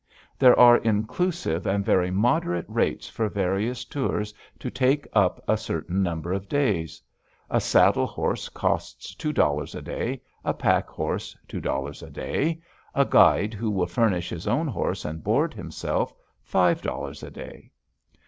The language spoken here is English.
There are inclusive and very moderate rates for various tours to take up a certain number of days. A saddle horse costs two dollars a day; a pack horse two dollars a day; a guide, who will furnish his own horse and board himself, five dollars a day.